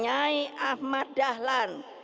nyai ahmad dahlan